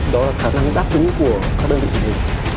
đó là khả năng đáp tính của các đơn vị thủ tư